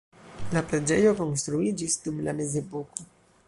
La preĝejo konstruiĝis dum la mezepoko.